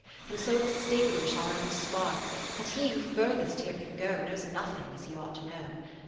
And so extinguish our own spark, That he who furthest here can go, Knows nothing as he ought to know.